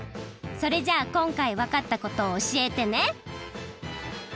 それじゃあこんかいわかったことをおしえてね。